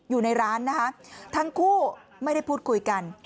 อยู่ในร้านนะคะทั้งคู่ไม่ได้พูดคุยกัน